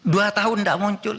dua tahun tidak muncul